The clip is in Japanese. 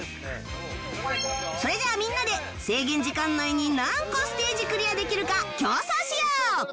それじゃあみんなで制限時間内に何個ステージクリアできるか競争しよう！